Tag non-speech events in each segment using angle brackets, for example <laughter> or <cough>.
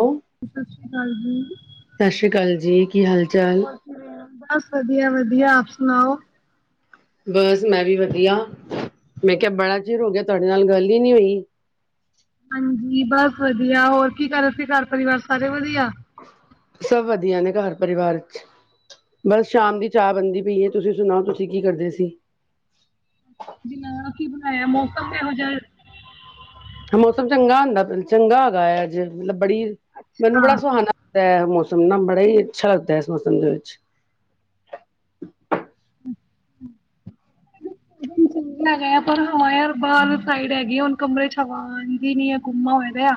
ਓ ਸ਼ਸ਼ੀ ਕਾਲ ਜੀ। ਸ਼ਸ਼ੀ ਕਾਲ ਜੀ ਕੀ ਹਾਲ-ਚਾਲ। ਹੋਰ ਕਿਵੇਂ ਓ, ਬਸ ਵਧੀਆ-ਵਧੀਆ ਆਪ ਸੁਣਾਓ? ਬਾਸ ਮੈਂ ਵੀ ਵਧੀਆ, ਮੈਂ ਕਿਆ ਬੜਾ ਚਿਰ ਹੋ ਗਿਆ ਤੁਆਡੇ ਨਾਲ ਗੱਲ ਈ ਨੀ ਓਈ। ਹਾਂਜੀ, ਬਸ ਵਧੀਆ ਹੋਰ ਕੀ ਕਰ ਰੇ ਸੀ। ਘਰ ਪਰਵਾਰ ਸਾਰੇ ਵਧੀਆ। ਸਭ ਵਧੀਆ ਨੇ ਘਰ ਪਰਵਾਰ 'ਚ। ਬਸ ਸ਼ਾਮ ਦੀ ਚਾਅ ਬਣਦੀ ਪਈ ਏ, ਤੁਸੀਂ ਸੁਣਾਓ ਤੁਸੀਂ ਕੀ ਕਰਦੇ ਸੀ। ਵੀ ਨਾਲ ਕੀ ਬਣਾਇਆ ਮੌਸਮ ਏਹੋ ਜਿਆ। ਮੌਸਮ ਚੰਗਾ ਹੁੰਦਾ ਚੰਗਾ ਹੈਗਾ ਐ ਅੱਜ, ਮਲਬ ਬੜੀ ਮੈਨੂੰ ਬੜਾ ਅੱਛਾ। ਸੁਹਾਨਣਾ। ਤੇ ਮੌਸਮ ਨਾ ਬੜਾ ਈ ਅੱਛਾ ਲੱਗਦਾ ਏਸ ਮੌਸਮ ਦੇ ਵਿੱਚ। ਚੰਗਾ ਹੈਗਾ ਐ ਪਰ, ਹਵਾ ਯਾਰ ਬਾਰ ਸਾਈਡ ਹੈਗੀ ਐ ਹੁਣ ਕਮਰੇ 'ਚ ਹਵਾ ਆਂਦੀ ਦੀ ਨੀ ਐ। ਗੁੰਮਾ ਹੋਇਆ ਦਿਆ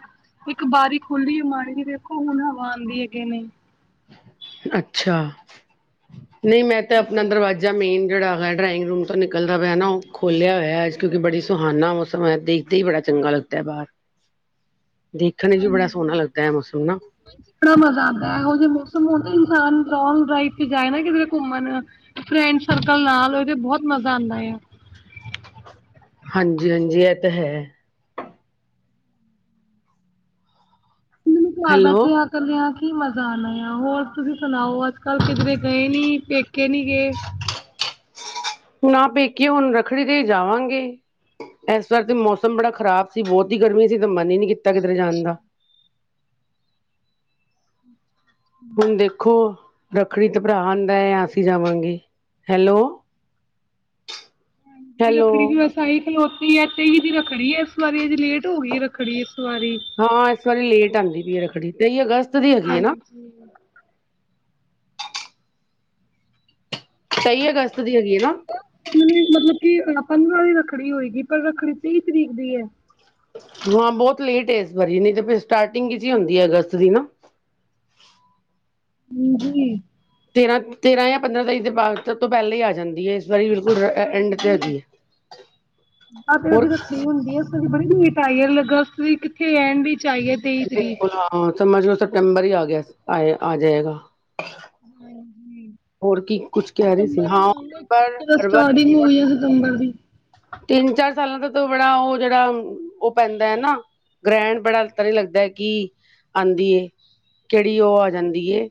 ਇੱਕ ਬਾਰੀ ਖੁੱਲੀ ਮਾੜੀ ਜੀ ਦੇਖੋ ਹੁਣ ਹਵਾ ਆਂਦੀ ਏ ਕੇ ਨਈ। ਅੱਛਾ, ਨਈ ਮੈਂ ਤਾਂ ਆਪਣਾ ਦਰਵਾਜ਼ਾ। ਮੇਨ ਜੇੜਾ ਹੈਗਾ ਡਰਾਇੰਗ ਰੂਮ ਤੋਂ ਨਿਕਲਦਾ ਪਿਆ ਨਾ ਓ ਖੋਲਿਆ ਹੋਇਆ ਏਸ ਤੋਂ ਕੀ ਬੜੀ ਸੁਹਾਨਾ ਮੌਸਮ ਐਦਾ ਈੰ। ਏਦਾਂ ਈ ਬੜਾ ਚੰਗਾ ਲੱਗਦਾ ਐ ਬਾਰ, ਦੇਖਣ 'ਚ ਵੀ ਬੜਾ ਸੋਣਾ ਲੱਗਦਾ ਐ ਮੌਸਮ ਨਾ। ਬੜਾ ਮਜ਼ਾ ਆਂਦਾ ਐਹੋ ਜੇ ਮੋਸ ਤੇ ਮੋਤੇ ਇਨਸਾਨ ਲੋਂਗ ਡਰਾਈਵ ਤੇ ਜਾਏ ਨਾ ਕਿਧਰੇ ਘੁੰਮਣ, ਫਰੈਂਡ ਸਰਕਲ ਨਾਲ। ਤੇ ਬਹੁਤ ਮਜ਼ਾ ਆਂਦਾ ਆ। ਹਾਂਜੀ- ਹਾਂਜੀ ਐ ਤਾਂ ਹੈ। ਮੈਨੂੰ ਘਰ ਹੈਲੋ ਬੈਠੇ ਆਂ ਕੱਲਿਆਂ ਕੀ ਮਜ਼ਾ ਆਣਾ ਆ, ਹੋਰ ਤੁਸੀਂ ਸੁਣਾਓ, ਅੱਜ- ਕੱਲ ਕਿਧਰੇ ਗਏ ਨੀ ਪੇ ਪੇਕੇ ਨੀ ਗੇ। ਨਾ ਪੇਕੇ ਹੁਣ ਰੱਖੜੀ ਤੇ ਈ ਜਾਵਾਂਗੇ। ਐਸ ਵਾਰ ਤੇ ਮੌਸਮ ਬੜਾ ਖ਼ਰਾਬ ਸੀ, ਬੋਤ ਈ ਗਰਮੀ ਸੀ ਤੇ ਮਨ ਈ ਨੀ ਕੀਤਾ ਕਿਧਰੇ ਜਾਣ ਦਾ। ਹੁਣ ਦੇਖੋ ਰੱਖੜੀ ਤੇ ਭਰਾ ਆਂਦਾ ਐ ਜਾਂ ਅਸੀਂ ਜਾਵਾਂਗੇ। ਹੈਲੋ। <inaudible> ਹਾਂਜੀ ਰੱਖੜੀ ਵੀ ਹੈਲੋ-ਹੈਲੋ ਬਸ ਤਈ ਖਲੋਤੀ ਐ, ਤੀ ਦੀ ਰੱਖੜੀ ਏ ਏਸ ਵਾਰੀ, ਅੱਜ ਲੇਟ ਹੋ ਗੀ ਏ ਰੱਖੜੀ ਇਸ ਵਾਰੀ। ਹਾਂ ਏਸ ਵਾਰੀ ਲੇਟ ਆਂਦੀ ਪਈ ਰੱਖੜੀ ਤੇਈ ਅਗਸਤ। ਦੀ ਹੈਗੀ ਹੈ ਨਾ ਹਾਂਜੀ। ਤੇਈ ਅਗਸਤ ਦੀ ਹੈਗੀ ਏ ਨਾ। ਉਨੀ ਮਤਲਬ ਕੀ ਪੰਦਰਾਂ ਦੀ ਰੱਖੜੀ ਹੋਏਗੀ, ਪਰ ਰੱਖੜੀ ਤੀ ਤਰੀਕ ਦੀ ਐ। ਹਾਂ ਬੋਤ ਲੇਟ ਏ ਏਸ ਵਰੀ ਨਈ ਤੇ ਫੇਰ ਸਟਾਟਿੰਗ 'ਚ ਈ ਹੁੰਦੀ ਏ ਅਗਸਤ ਦੀ ਨਾ। ਹਾਂਜੀ। ਤੇਰਾਂ- ਤੇਰਾਂ ਜਾਂ ਪੰਦਰਾਂ ਤਰੀਕ ਦੇ ਬਾਦ ਤੋਂ ਪੈਲਾਂ ਈ ਆ ਜਾਂਦੀ ਏ। ਇਸ ਵਾਰੀ ਬਿਲਕੁਲ ਐਂਡ ਤੇ ਹਾਂਜੀ ਹੈਗੀ ਏ। ਆਹ ਤੇ ਹੋਰ ਉਹਦੀ ਰੱਖੜੀ ਹੁੰਦੀ ਹੈ ਇਸ ਵਰੀ ਬੜੀ ਲੇਟ ਆਈ ਏ, ਲੱਗਸਤ ਦੀ ਕਿੱਥੇ ਐਂਡ ਵਿੱਚ ਆਈਏ। ਬਿਲਕੁਲ ਹਾਂ ਸਮਝ ਲੋ ਸਪਟੰਬਰ ਈ ਆ ਗਿਆ, ਆ ਜੇਗਾ। ਹਾਂਜੀ। ਹੋਰ ਕੀ ਕੁਛ ਕਹਿ ਰਹੀ ਸੀ ਸਤੰਬਰ ਈ ਹਾਂ ਮੰਨ ਲੋ, ਇਕ ਪਰ ਤਰੀਕੇ ਦਾ ਹਰ ਸਟਾਰਟਿੰਗ ਵਾਰੀ ਹੋਈ ਐ ਸਤੰਬਰ ਦੀ। ਤਿੰਨ- ਚਾਰ ਸਾਲਾਂ ਦਾ ਤਾਂ ਬੜਾ ਓ ਜੇੜਾ ਓ ਪੈਂਦਾ ਐ ਨਾ। ਗ੍ਰੈਣ ਬੜਾ ਤਦੇ ਲੱਗਦਾ ਏ ਕੀ ਆਂਦੀ ਏ, ਕੇੜੀ ਓ ਆ ਜਾਂਦੀ ਏ।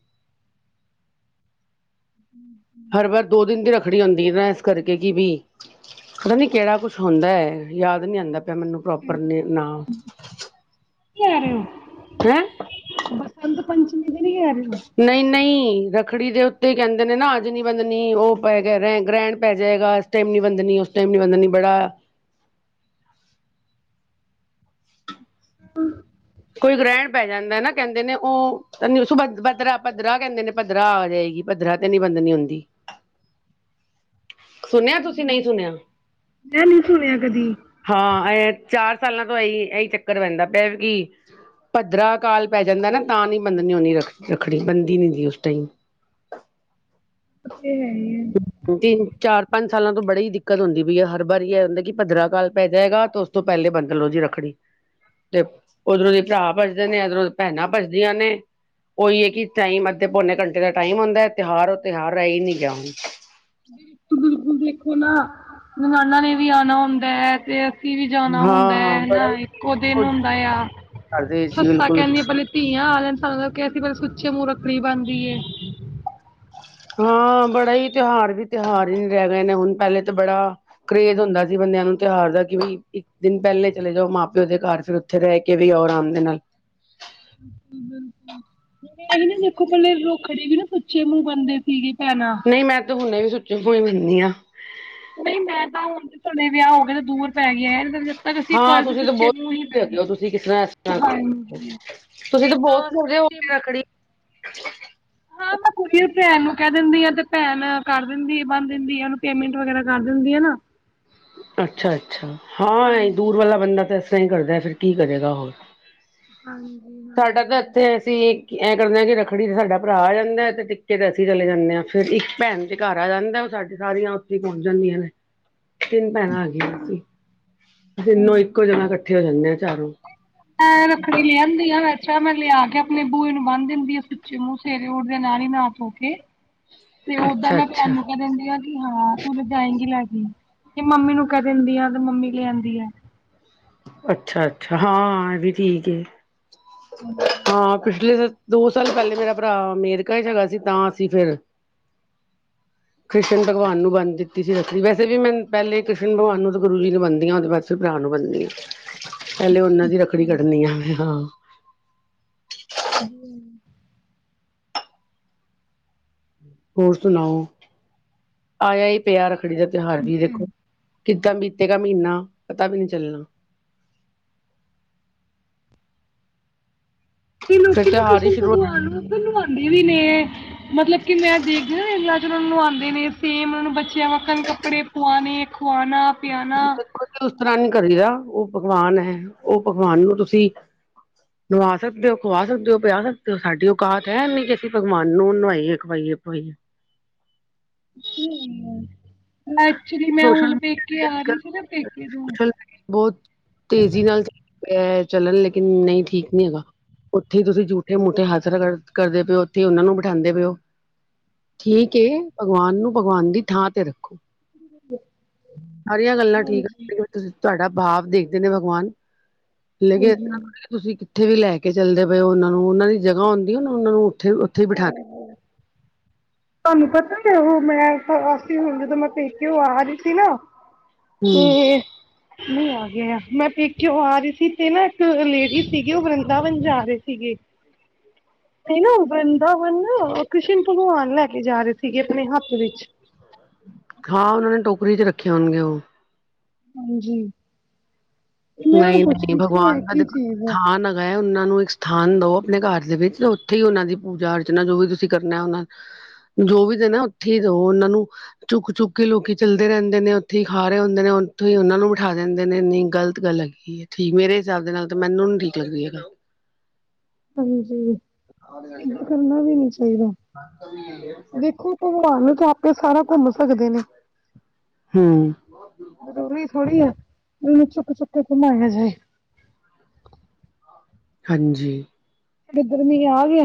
<inaudible> ਹਰ ਵਾਰ ਦੋ ਦਿਨ ਦੀ ਰੱਖੜੀ ਹੁੰਦੀ ਏ ਐਸ ਕਰਕੇ ਕੀ ਵੀ ਪਤਾ ਨੀ ਕੇੜਾ ਕੁਛ ਹੁੰਦਾ ਐ, ਯਾਦ ਨੀ ਆਂਦਾ ਪਿਆ ਮੈਨੂੰ ਪ੍ਰੋਪਰ ਨੇ ਨਾਮ। <unintelligible> ਹੈਂ। ਬਸੰਤ ਪੰਚਮੀ ਤੇ ਨੀ ਕੈ ਰੇ ਓ। ਨਈ ਨਈ ਰੱਖੜੀ ਦੇ ਉੱਤੇ ਕੈਂਦੇ ਨੇ ਨਾ ਅੱਜ ਨੀਂ ਬੰਧਨੀ, ਓ ਪੈ ਗਿਆ ਰੇ ਗ੍ਰੈਣ ਪੈ ਜੇਗਾ ਅੱ ਟੈਮ ਨੀ ਬਦਨੀ ਉਸ ਟੈਮ ਬਦਨੀ ਬੜਾ <inaudible> ਕੋਈ ਗ੍ਰੈਣ ਪੈ ਜਾਂਦਾ ਨਾਂ ਕੈਦੇ ਨੇ ਓ ਛੁਬ ਬੱਦਰਾ- ਬੱਦਰਾ ਕੈਦੇ ਨੇ ਪੱਧਰਾ ਆ ਗੇਆ ਈ। ਪੱਧਰਾ ਤੇ ਨੀਂ ਬੰਦਨੀ ਹੁੰਦੀ <inaudible> ਸੁਨੇਆ ਤੁਸੀਂ ਨਈ ਸੁਨੇਆ। ਮੈਂ ਨੈ ਸੁਨੇਆ ਕਦੀ। ਹਾਂ ਐ ਚਾਰ ਸਾਲਾਂ ਤੋਂ ਆਈ ਐਈ ਚੱਕਰ ਪੈਂਦਾ ਪੇਆ ਕੀ ਪੱਦਰਾ ਕਾਲ ਪੈ ਜਾਂਦਾ ਨਾਂ ਤਾਂ ਨੀ ਬੰਦਨੀ ਹੁੰਦੀ ਰਖ ਰੱਖੜੀ ਬੰਦੀ ਨੀ ਦੀ ਹੁੰਦੀ ਓਸ ਟਾਈਮ। <unintelligible> ਤਿਨ, ਚਾਰ, ਪੰਜ ਸਾਲਾਂ ਤੋਂ ਬੜੀ ਦਿੱਕਤ ਹੁੰਦੀ ਪਈ ਏ ਹਰ ਵਾਰੀ ਏ ਹੁੰਦਾ ਕਿ ਪੱਦਰਾ ਕਾਲ ਪੈ ਜਾਏਗਾ ਤੋ ਓ ਤੋਂ ਪੈਲੇ ਬੱਦ ਲੋ ਜੀ ਰੱਖੜੀ। ਤੇ ਓਦਰੋਂ ਦੀ ਭਰਾ ਭੱਜਦੇ ਨੇ ਐਦਰੋਂ ਦੀ ਭੈਣਾਂ ਭੱਜਦੀਆਂ ਨੇਂ। ਓਈ ਏ ਕੀ ਟਾਈਮ ਅੱਧੇ ਪੌਨੇ ਘੰਟੇ ਦਾ ਟਾਈਮ ਹੁੰਦੈ ਤੇਹਾਰ ਓ ਤੇਹਾਰ ਰੈ ਈ ਨੀ ਗੇਆ ਹੁਨ। <unintelligible> ਬਿਲਕੁਲ ਦੇਖੋ ਨਾਂ ਣਾਨਣਾ ਨੇ ਵੀ ਆਂਣਾ ਹੁੰਦਾ ਐ ਤੇ ਅਸੀਂ ਵੀ ਜਾਨਾ ਹੁੰਦਾ ਹਾਂ ਬੜਾ ਐ <unintelligible> ਹੀ ਇੱਕੋ ਦਿਨ ਹੁੰਦਾ ਆ, ਕਰਦੇ ਸੀ ਸੱਸਾਂ ਬਿਲਕੁਲ ਕੈਦੀਆਂ ਪੈਂਲੇ ਧੀਆਂ ਆ ਲੈਣ <unintelligible> ਕੇਆ ਸੀ ਪੈਂਲੇ ਸੁੱਚੇ ਮੂੰ ਰੱਖੜੀ ਬੰਨ ਦੀਏ। ਹਾਂ ਬੜਾ ਈ ਤੇਹਾਰ ਵੀ ਤੇਹਾਰ ਨੀ ਰੈ ਗਏ ਨੇ ਹੁਨ ਪੈਲੇ ਤਾਂ ਬੜਾ ਕਰੇਜ਼ ਹੁੰਦਾ ਸੀ ਬੰਦੇਆਂ ਨੂੰ ਤੇਹਾਰ ਦਾ ਕੀ ਬਈ ਇਕ ਦਿਨ ਪੈਲੇ ਚਲੇ ਜਾਓ ਮਾਂ-ਪੇਓ ਦੇ ਘਰ ਫੇਰ ਥੇ ਰੈ ਕੇ ਵੀ ਔਨਾ <unintelligible> ਨਾ ਬਿਲਕੁਲ <inaudible> ਦੇਖੋ ਪੈਲੇ ਰੱਖੜੀ ਵੀ ਨਾਂ ਸੁੱਚੇ ਮੂੰ ਬੰਨਦੇ ਸੀਗੇ ਭੈਣਾਂ ਨਈ ਮੈਂ ਤੇ ਹੁਨੇ ਵੀ ਸੁੱਚੇ ਮੂੰ ਹੁਨੀ ਆਂ। ਨਈ ਮੈਂ ਤਾਂ ਹੁਣ ਹੁਣੇ ਵੇਆ ਹੋ ਗੇ ਨੇ ਦੂਰ ਪੈ ਗੇਐ। ਜਦ ਤੱਕ ਅਸੀਂ ਹਾਂ <unintelligible> ਤੁਸੀਂ ਤਾਂ ਸੁੱਚੇ ਬਹੁਤ ਮੂੰ ਨੀ ਬੰਨਦੇ, ਹੈਗੇ ਹੋ ਤੁਸੀਂ ਕਿਸ ਤਰ੍ਹਾਂ ਇਸ ਤਰ੍ਹਾਂ ਹਾਂਜੀ ਤੁਸੀਂ ਤਾਂ ਬੌ <unintelligible> ਰੱਖੜੀ <inaudible> ਕੀ ਪੈਨ ਨੂੰ ਕੈ ਦਿੰਦੀ ਆ ਤੇ ਪੈਨ ਕਰ ਦਿੰਦੀ ਏ ਬੰਨ ਦਿੰਦੀ ਏ ਓਨੂੰ ਪੇਮੈਂਟ ਵਗੈਰਾ ਕਰ ਦਿੰਦੀ ਹੈ ਨਾ। <inaudible> ਅੱਛਾ-ਅੱਛਾ, ਹਾਂ ਵੇ ਦੂਰ ਵਾਲਾ ਬੰਦਾ ਤਾਂ ਐਸ ਤਰਾਂ ਈ ਕਰਦਾ ਫੇਰ ਕੀ ਕਰੇਗਾ ਹੋਰ। ਹਾਂਜੀ-ਹਾਂਜੀ। ਤੇ ਅਸੀਂ ਈ ਐਂ ਕਰਦੇ ਆਂ ਕੀ ਰੱਖੜੀ ਤੇ ਸਾਡਾ ਭਰਾ ਜਾਂਦਾ ਤੇ ਟਿੱਕੇ ਤੇ ਅਸੀਂ ਚਲੇ ਜਾਂਨੇ ਆ। ਫੇਰ ਈ ਭੈਣ ਚ ਘਰ ਆ ਜਾਂਦਾ ਓ ਸਾਡੇ ਸਾਰੀਆਂ ਓਥੇ ਈ ਪਹੁੰਚ ਜਾਂਦੀਆਂ ਨੇ। ਤਿਨ ਭੈਣਾਂ ਆ ਗਈ ਸੀ ਤਿੰਨੋ ਇੱਕੋ ਜਗਾ ਕੱਠੇਆ ਰੈਦੀਆ ਚਾਰੋਂ। ਐਂ ਰੱਖੜੀ ਲਿਆਂਦੀ ਆ <unintelligible> <unintelligible> ਲੇਆ ਕੇ ਆਪਨੀ ਬੂਈ ਨੂੰ ਬੰਨ ਦਿੰਦੀ ਆ ਸੁੱਚੇ ਮੂੰ ਸਵੇਰੇ ਉਠਦੇ ਨਾਲ ਈ ਨਾ ਧੋ ਕੇ। ਤੇ ਓਦਾਂ ਅੱਛਾ ਮੈਂ ਭੈਣ ਅੱਛਾ ਨੂੰ ਕੈ ਦਿੰਦੀ ਆ ਹਾਂ ਤੂੰ ਤੇ ਜਾਏਗੀ ਲੈ ਕੇ, ਜੇ ਮੰਮੀ ਨੂੰ ਕੈ ਦਿੰਦੀ ਆ ਤੇ ਮੰਮੀ ਲਿਆਂਦੀ ਐ। ਅੱਛਾ-ਅੱਛਾ ਹਾਂ ਐ ਵੀ ਠੀਕ ਏ। <unintelligible> ਹਾਂ ਪਿਛਲੇ, ਦੋ ਸਾਲ ਪੈਲੇ ਮੇਰਾ ਭਰਾ, ਮੇਰਕਾ ਚ ਹੈਗਾ ਸੀ ਤਾਂ ਅਸੀਂ ਫੇਰ <inaudible> ਕ੍ਰਿਸ਼ਨ ਭਗਵਾਨ ਨੂੰ ਬੰਨ ਦਿੱਤੀ ਸੀ ਰੱਖੜੀ ਵੈਸੇ ਮੈਂ ਪੈਲੇ ਕ੍ਰਿਸ਼ਨ ਭਗਵਾਨ ਨੂੰ ਤਾਂ ਗੁਰੂ ਜੀ ਨੂੰ ਬਣਨਦੀਆਂ ਤੇ ਬਸ। ਫਿਰ ਭਰਾ ਨੂੰ ਬੰਨਦੀ ਆ, ਪੈਲੇ ਓਨਾਂ ਦੀ ਰੱਖੜੀ ਕੱਢਣੀ ਆ ਮੈ ਹਾਂ। <unintelligible> ਹੋਰ ਸੁਣਾਓ, ਆਏਆ ਈ ਪੇਆ ਰੱਖੜੀ ਦਾ ਤੇਹਾਰ ਵੀ ਦੇਖੋ ਕਿੱਦਾਂ ਬੀਤੇਗਾ ਮੀਨਾ ਪਤਾ ਵੀ ਨੀ ਚੱਲਣਾ। ਤੇ ਫਿਰ ਲੋਕੀ ਨਾ ਤਿਉਹਾਰ ਹੀ ਕ੍ਰਿਸ਼ਨ ਸ਼ੁਰੂ ਭਗਵਾਨ ਨੂੰ ਨਵਾਉਂਦੇ ਵੀ ਨੇ, ਮਤਲਬ ਕਿ ਮੈਂ ਦੇਖਦੀ ਇ ਚ ਉਹ ਨੂੰ ਨਵਾਉਂਦੇ ਨੇ, ਸੇਮ ਉਨਾਂ ਬੱਚ ਬੱਚਿਆ ਵਾਕਣ ਕੱਪੜੇ ਪੁਆਣੇ ਖਆਉਣਾ। ਦੇਖੋ ਜੀ ਉਸ ਤਰ੍ਹਾਂ ਨੀ ਕਰੇਗਾ, ਉਹ ਭਗਵਾਨ ਹੈ, ਉਹ ਭਗਵਾਨ ਨੂੰ ਤੁਸੀਂ ਨੁਵਾ ਸਕਦੇ ਹੋ, ਖਵਾ ਸਕਦੇ ਹੋ, ਪਿਆ ਸਕਦੇ ਹੋ, ਸਾਡੀ ਔਕਾਤ ਹੈ, ਇਨੀ ਕਿ ਅਸੀਂ ਭਗਵਾਨ ਨੂੰ ਨੁਵਾਈਏ। ਖਵਾਈਏ -ਪਵਾਈਏ। ਹਮ ਮੈਂ ਐਕਚੁਲੀ ਮੈਂ ਸੋਸ਼ਲ ਹੁਣ ਪੇਕੇ ਮੀਡੀਆ ਆ ਤੇ ਰਹੀ ਸੀ ਨਾ ਪੇਕੇ ਤੋਂ ਸੋਸ਼ਲ ਬਹੁਤ ਤੇਜ਼ੀ ਨਾਲ ਚੱਲਣ ਰਿਹਾ ਐ, ਚੱਲਣ ਲੇਕਿਨ ਨਹੀਂ ਠੀਕ ਨਹੀਂ ਹੈਗਾ। ਉੱਥੇ ਹੀ ਤੁਸੀਂ ਜੂਠੇ -ਮੂਠੇ ਹੱਥ ਰਗੜ ਕਰ ਕਰਦੇ ਪਏਓ, ਉੱਥੇ ਉਹਨਾਂ ਨੂੰ ਬਿਠਾਉਂਦੇ ਪਏ ਹੋ। ਠੀਕ ਏ, ਭਗਵਾਨ ਨੂੰ ਭਗਵਾਨ ਦੀ ਥਾਂ ਤੇ ਰੱਖੋ। <unintelligible> ਸਾਰੀਆਂ ਗੱਲਾਂ ਠੀਕ ਆ, ਜਿਹੜਾ ਤੁਸੀਂ ਤੁਹਾਡਾ ਭਾਵ ਦੇਖਦੇ ਭਗਵਾਨ, ਲੇਕਿਨ ਇਸ ਤਰ੍ਹਾਂ ਥੋੜੀ ਐ। ਤੁਸੀਂ ਕਿੱਥੇ ਵੀ ਲੈ ਕੇ ਚੱਲਦੇ ਪਏ ਹੋ ਉਹਨਾਂ ਨੂੰ, ਉਹਨਾਂ ਦੀ ਜਗ੍ਹਾ ਆਉਂਦੀ ਨਾ ਉਹਨਾਂ ਨੂੰ ਉੱਥੇ- ਉੱਥੇ ਹੀ ਬਿਠਾ ਕੇ <inaudible> ਤੁਹਾਨੂੰ ਪਤਾ ਉਹ ਮੈਂ ਅਸੀਂ ਹੁਣ ਜਦੋਂ ਮੈਂ ਪੇਕਿਓ ਆ ਰਹੀ ਸੀ ਨਾ ਹੂੰ ਤੇ, ਨਹੀਂ ਆ ਗਿਆ, ਮੈ ਪੇਕਿਓਂ ਆ ਰਹੀ ਸੀ ਤੇ ਨਾ ਇੱਕ ਲੇਡੀ ਸੀਗੀ ਉਹ ਵ੍ਰਿੰਦਾਵਨ ਜਾ ਰਹੀ ਸੀਗੀ। <inaudible> ਇਹ ਨਾ ਵ੍ਰਿੰਦਾਵਨ ਨਾ ਕ੍ਰਿਸ਼ਨ ਭਗਵਾਨ ਲੈ ਕੇ ਜਾ ਰਹੇ ਸੀਗੇ ਆਪਣੇ ਹੱਥ ਵਿੱਚ। ਹਾਂ ਉਹਨਾਂ ਨੇ ਟੋਕਰੀ ਚ ਰੱਖੇ ਹੋਣਗੇ ਉਹ। ਹਾਂਜੀ। ਤੇ ਮੈਂ ਨਹੀਂ ਉਹਨੂੰ ਪੁੱਛ -ਨਹੀਂ ਰਹੀ ਸੀ ਇਹ ਭਗਵਾਨ ਦਾ ਕੀ ਦੇਖੋ ਚੀਜ਼ ਹੈ ਥਾਨ ਆ। ਆ ਉਹਨਾਂ ਨੂੰ ਇੱਕ ਸਥਾਨ ਦਓ ਆਪਣੇ ਘਰ ਦੇ ਵਿੱਚ, ਤੇ ਉੱਥੇ ਹੀ ਉਹਨਾਂ ਦੀ ਪੂਜਾ ਅਰਚਨਾ ਜੋ ਵੀ ਤੁਸੀਂ ਕਰਨਾ ਉਹਨਾ ਦਾ। ਜੋ ਵੀ ਦੇ ਨਾ ਉੱਥੇ ਹੀ ਦਿਓ ਉਹ ਉਹਨਾਂ ਨੂੰ। ਚੁੱਕ -ਚੁੱਕ ਕੇ ਲੋਕੀ ਚੱਲਦੇ ਰਹਿੰਦੇ ਨੇ, ਉੱਥੇ ਹੀ ਖਾ ਰਹੇ ਹੁੰਦੇ ਨੇ, ਉੱਥੇ ਹੀ ਉਹਨਾਂ ਨੂੰ ਬਿਠਾ ਦਿੰਦੇ ਨੇ, ਇੰਨੀ ਗ਼ਲਤ ਗਲਤ ਗੱਲ ਹੈਗੀ ਐ, ਠੀਕ ਮੇਰੇ ਹਿਸਾਬ ਦੇ ਨਾਲ ਮੈਨੂੰ ਨੀ ਠੀਕ ਲਗਦੀ ਇਹ ਗੱਲ। ਹਾਂਜੀ, ਏਦਾਂ ਕਰਨਾ ਵੀ ਨੀ ਚਾਹੀਦਾ। ਹਾਂ। ਦੇਖੋ ਭਗਵਾਨ ਚ ਆਪਾਂ ਸਾਰਾ ਘੁੰਮ ਸਕਦੇ ਨੇ। ਹਮ। ਜ਼ਰੂਰੀ ਥੋੜੀ ਐ, ਉਹਨੂੰ ਚੁੱਕ- ਚੁੱਕ ਕੇ ਘੁਮਾਇਆ ਜਾਏ। ਹਾਂਜੀ। ਇੱਧਰ ਮੀਂਹ ਆ ਗਿਆ?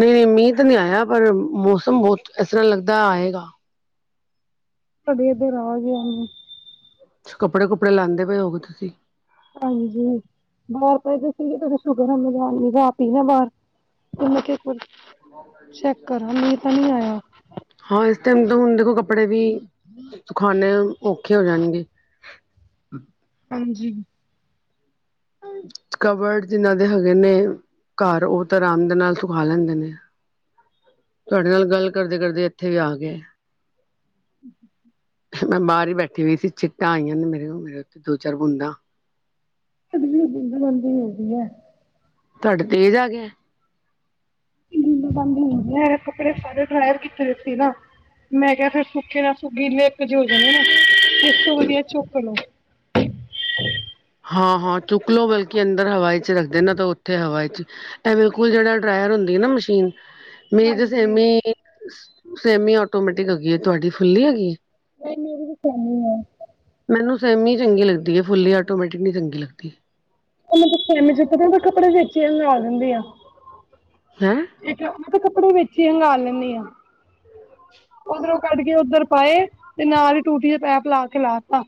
ਨਹੀਂ ਮੀਂਹ ਤਾਂ ਨੀ ਆਇਆ, ਪਰ ਮੌਸਮ ਬਹੁਤ ਇਸ ਤਰ੍ਹਾਂ ਲੱਗਦਾ ਆਏਗਾ। ਸਾਡੇ ਇਧਰ ਆ ਗਿਆ ਮੀਂਹ। ਤੁਸੀਂ ਕੱਪੜੇ -ਕੁਪੜੇ ਲਾਂਦੇ ਪਏ ਹੋਉਗੇ ਤੁਸੀਂ? ਹਾਂਜੀ ਬਾਹਰ ਪਏ ਦੇ ਸੀਗੇ ਸੁਕਰ ਰਾਤ ਨੀ ਮੈ ਬਾਹਰ ਉਹ ਮੈਂ ਕਿਹਾ ਇੱਕ ਵਾਰੀ ਚੈੱਕ ਕਰਾ ਮੀਂਹ ਤਾਂ ਨੀ ਆਇਆ। ਹਾਂ, ਇਸ ਟਾਈਮ ਦੇਖੋ ਕੱਪੜੇ ਵੀ ਸੁਖਾਣੇ ਔਖੇ ਹੋ ਜਾਣਗੇ। ਹਾਂਜੀ। ਕਬਰਡ ਜਿੰਨਾਂ ਦੇ ਹੈਗੇ ਨੇ ਘਰ, ਉਹ ਤਾਂ ਆਰਾਮ ਦੇ ਨਾਲ ਸੁਖਾ ਲੈਂਦੇ ਨੇ। ਤੁਹਾਡੇ ਨਾਲ ਗੱਲ ਕਰਦੇ -ਕਰਦੇ ਇੱਥੇ ਵੀ ਆ ਗਏ। <inaudible> ਮੈਂ ਬਾਹਰ ਹੀ ਬੈਠੀ ਹੋਈ ਸੀ, ਛਿੱਟਾਂ ਆਈਆਂ ਨੇ ਮੇਰੇ ਦੋ ਚਾਰ ਬੂੰਦਾਂ। <unintelligible> ਹੈਗੀ ਐ। ਤੁਹਾਡੇ ਤੇਜ਼ ਆ ਗਿਆ? <unintelligible> ਕੱਪੜੇ ਸਾਰੇ ਡਰਾਇਰ ਕੀਤੇ ਵਏ ਸੀ ਨਾ। ਮੈਂ ਕਿਹਾ ਫਿਰ ਸੁੱਕੇ ਗਿੱਲੇ ਇੱਕੋ ਜੇ ਹੋ ਜਾਣੇ ਨੇ ਇਸ ਤੋਂ ਵਧੀਆ ਚੁੱਕ ਲੋ। ਹਾਂ ਹਾਂ ਚੁੱਕ ਲਓ ਬਲਕਿ ਅੰਦਰ ਹਵਾ ਜੀ ਚ ਰੱਖਦੇ ਨਾ ਤਾਂ ਉੱਥੇ ਹਵਾ ਵਿਚ ਇਹ ਬਿਲਕੁਲ ਜਿਹੜਾ ਡਰਾਇਰ ਹੁੰਦੀ ਐ ਨਾ ਮਸ਼ੀਨ ਮੇਰੀ ਤਾਂ ਸੈਮੀ ਸੈਮੀ ਆਟੋਮੈਟਿਕ ਹੈਗੀ ਐ ਤੁਹਾਡੀ ਫੁੱਲੀ ਹੈਗੀ? ਨਹੀ ਮੇਰੀ ਵੀ ਸੇਮੀ ਐ। ਮੈਨੂੰ ਸੇਮੀ ਈ ਚੰਗੀ ਲੱਗਦੀ ਐ ਫੁੱਲੀ ਆਟੋਮੈਟਿਕ ਨੀ ਚੰਗੀ ਲੱਗਦੀ। ਉਹ ਮਤਲਬ <unintelligible> ਦਿੰਦੀ ਆ। ਹੈਮ? <inaudible> ਇੱਕ ਮੈਂ ਤਾਂ ਕੱਪੜੇ ਵਿੱਚ ਈ ਹੰਗਾਲ ਲੈਂਨੀ ਆ। ਓਧਰੋਂ ਕੱਢ ਕੇ ਉੱਧਰ ਪਾਏ ਤੇ ਨਾਲ ਈ ਟੂਟੀ ਦੇ ਪੈਪ ਲਾ ਕੇ ਲਾ ਦਿੱਤਾ।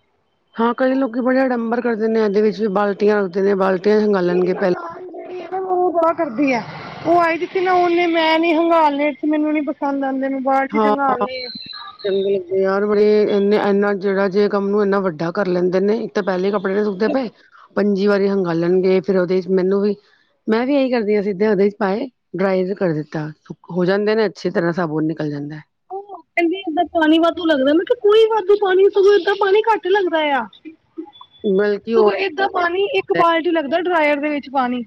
ਹਾਂ ਕਈ ਲੋਕੀ ਬੜੇ ਅਡੰਬਰ ਕਰਦੇ ਨੇ ਇਹਦੇ ਵਿੱਚ, ਬਾਲਟੀਆਂ ਰੱਖਦੇ ਨੇ ਬਾਲਟੀਆਂ ਚ ਹੰਗਾਲਨ ਗੇ ਪਹਿਲੈ। <unintelligible> ਬੜਾ ਕਰਦੀ ਐ। ਉਹ ਆਈ ਦੀ ਸੀ ਨਾ ਉਹਨੇ ਮੈਂ ਨਹੀਂ ਹੰਗਾਲਨੇ, ਮੈਨੂੰ ਨੀ ਪਸੰਦ ਆਂਦੇ। ਹਾਂ। ਚੰਗੇ ਲੱਗਦੇ ਯਾਰ ਬੜੇ ਇਨੇ ਇਨਾ ਜਿਹੜਾ ਜੇ ਕੰਮ ਨੂੰ ਏਨਾ ਵੱਡਾ ਕਰ ਲੈਂਦੇ ਨੇ ਤੇ ਪਹਿਲੇ ਕੱਪੜੇ ਨੀ ਸੁੱਕਦੇ ਪਏ, ਪੰਜੀ ਵਾਰੀ ਹੰਗਾਲਨ ਗੇ ਫਿਰ ਉਹਦੇ ਵਿਚ ਮੈਨੂੰ ਵੀ ਮੈਂ ਵੀ ਇਹੀ ਕਰਦੀ ਆ ਸਿੱਧੇ ਉਹਦੇ ਚ ਪਾਏ, ਡਰਾਇਰ ਕਰ ਦਿੱਤਾ ਹੋ ਜਾਂਦੇ ਨੇ ਅੱਛੇ ਤਰ੍ਹਾਂ ਸਾਬੁਨ ਨਿ <unintelligible> ਜਾਂਦਾ ਐ। ਕਹਿੰਦੇ ਏਦਾਂ ਪਾਣੀ ਵਾਧੂ ਲੱਗਦਾ, ਮੈ ਕਿਹਾ ਕੋਈ ਵਾਧੂ ਪਾਣੀ ਸਗੋਂ ਏਦਾਂ ਪਾਣੀ ਘੱਟ ਲੱਗਦਾ ਆ। ਬਲਕਿ ਉਹ ਸਗੋਂ ਏਦਾਂ ਪਾਣੀ ਇੱਕ ਬਾਲਟੀ ਲੱਗਦਾ ਡਰਾਇਰ ਦੇ ਵਿੱਚ ਪਾਣੀ।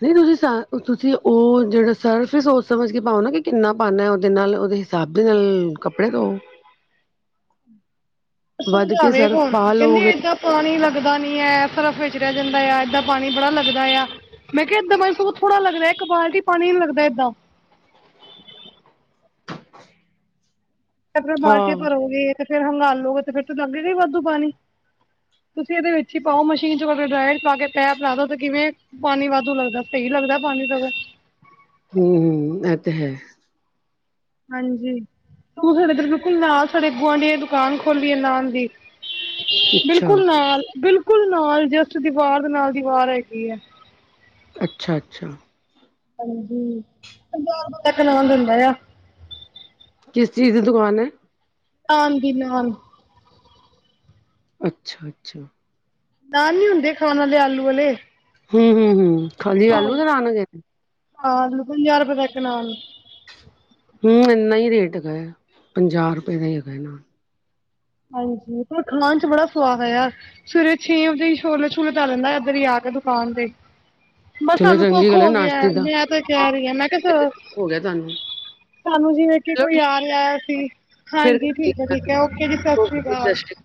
ਫਿਰ ਤੁਸੀਂ ਸ ਤੁਸੀਂ ਉਹ ਜਿਹੜਾ ਸਰਫ ਸੋਚ ਸਮਝ ਕੇ ਪਾਓ ਨਾ, ਕਿ ਕਿੰਨਾ ਪਾਣਾ ਉਹਦੇ ਨਾਲ ਉਹਦੇ ਥਾਪੀ ਨਾਲ ਕੱਪੜੇ ਧੋਓ ਵੱਧ ਕੇ ਸਮਝਾਵੇ ਸਰਫ ਕੋਣ ਪਾ ਕਹਿੰਦੀ ਲਓਗੇ ਏਦਾਂ ਪਾਣੀ ਲੱਗਦਾ ਨੀ ਐ, ਸਰਫ ਵਿੱਚ ਰਹਿ ਜਾਂਦਾ ਇਆ, ਏਦਾਂ ਪਾਣੀ ਬੜਾ ਲੱਗਦਾ ਇਆ। ਮੈਂ ਕਿਹਾ ਏਦਾਂ ਪਾਣੀ ਸਗੋਂ ਥੋੜਾ ਲੱਗਦਾ ਇੱਕ ਬਾਲਟੀ ਪਾਣੀ ਨਹੀਂ ਲੱਗਦਾ ਏਦਾਂ। ਆਪਣਾ ਹਾਂ ਬਾਲਟੀਆਂ ਭਰੋਗੇ ਤੇ ਫੇਰ ਹੰਗਾਲੋਗੇ ਤੇ ਫਿਰ ਲਗੇਾ ਗਾ ਵਾਧੂ ਪਾਣੀ। ਤੁਸੀਂ ਇਹਦੇ ਵਿੱਚ ਹੀ ਪਾਓ ਮਸ਼ੀਨ ਚ ਪਾ ਕੇ ਡਰਾਇਰ ਨਾ ਕੇ ਪੈਪ ਲਾ ਦੋ ਤੇ ਕਿਵੇਂ ਪਾਣੀ ਵਾਧੂ ਲੱਗਦਾ ਸਹੀ ਲੱਗਦਾ ਪਾਣੀ ਸਗੋਂ। ਹੂੰ, ਹੂੰ ਐ ਤੇ ਹੈ। ਹਾਂਜੀ, ਤੂੰ ਸਾਡੇ ਇਧਰ ਬਿਲਕੁਲ ਨਾਲ ਸਾਡੇ ਗੁਆਂਢੀਆਂ ਦੁਕਾਨ ਖੋਲੀ ਐ ਨਾਨ ਦੀ। ਅੱਛਾ ਬਿਲਕੁਲ ਨਾਲ ਬਿਲਕੁਲ ਨਾਲ ਜਸਟ ਦੀਵਾਰ ਦੇ ਨਾਲ ਦੀਵਾਰ ਹੈਗੀ ਐ। ਅੱਛਾ-ਅੱਛਾ। ਹਾਂਜੀ, ਪੰਜਾਹ ਰੁਪਏ ਦਾ ਇਕ ਨਾਨ ਦਿੰਦਾ ਆ। ਕਿਸ ਚੀਜ਼ ਦੀ ਦੁਕਾਨ ਏ। ਹਾਂਜੀ ਨਾਲ <unintelligible> ਅੱਛਾ, ਅੱਛਾ। ਬਾਹਰ ਨੀ ਹੁੰਦੇ ਖਾਣ ਵਾਲੇ ਆਲੂ ਆਲੇ। ਹੂੰ, ਹੂੰ, ਹੂੰ, ਖਾਲੀ ਆਲੂ ਦੇ ਨਾਨ ਗਏ ਸੀ। ਆਲੂ ਪੰਜਾਹ ਰੁਪਏ ਦੇ ਇਕ ਨਾਲ। ਹੂੰ ਇੰਨਾ ਹੀ ਰੇਟ ਹੈਗਾ, ਪੰਜਾਹ ਰੁਪਏ ਦਾ ਇਕ ਨਾਨ। ਹਾਂਜੀ ਪਰ ਖਾਣ ਚ ਬੜਾ ਸੁਵਾਦ ਆਇਆ। ਸਵੇਰੇ ਛੇ ਵਜੇ ਹੀ ਛੋਲੇ-ਛੂਲੇ ਧਰ ਲੈਂਦਾ‌ ਏਧਰ ਹੀ ਆ ਕੇ ਦੁਕਾਨ ਤੇ। ਬਸ ਚਲੋ ਸਾਨੂੰ ਚੰਗੀ ਸੁੱਖ ਗੱਲ ਐ ਹੋ ਗਿਐ। ਨਾਸ਼ਤੇ ਦਾ ਮੈਂ ਤੇ ਹਾਂ ਕੈਹ ਰੀ ਆਂ ਮੈਂ ਕੈ ਸ ਹੋ ਗਿਆ ਤੁਹਾਨੂੰ, ਸਾਨੂੰ ਜਿਵੇ ਕਿ ਚਲੋ ਕੋਈ ਠੀਕ ਆ ਰਿਆ ਸੀ। ਫੇਰ ਹਾਂਜੀ, ਕਰਦੀ ਠੀਕ ਐ ਆ, ਠੀਕ ਗੱਲ। ਐ, ਓਕੇ ਜੀ ਓਕੇ ਸਤਿ ਸਾਸਰੀਕਾਲ। ਸ਼੍ਰੀ ਅਕਾਲ।